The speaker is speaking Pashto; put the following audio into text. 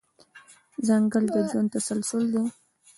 ځنګل د ژوند تسلسل دی.